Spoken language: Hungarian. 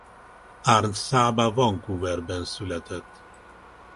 Arn Saba Vancouverben született.